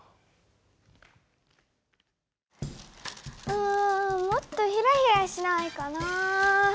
うんもっとヒラヒラしないかな。